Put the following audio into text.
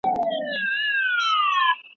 ایا ساینسي څېړنه له ادبي څيړني څخه بېله ده؟